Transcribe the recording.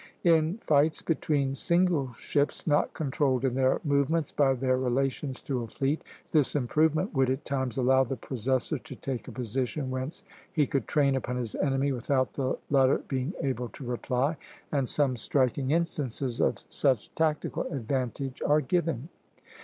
In fights between single ships, not controlled in their movements by their relations to a fleet, this improvement would at times allow the possessor to take a position whence he could train upon his enemy without the latter being able to reply, and some striking instances of such tactical advantage are given.